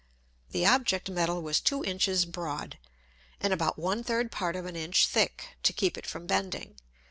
The Object Metal was two Inches broad, and about one third part of an Inch thick, to keep it from bending.